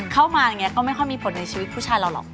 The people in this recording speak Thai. เข้ามาอย่างนี้ก็ไม่ค่อยมีผลในชีวิตผู้ชายเราหรอก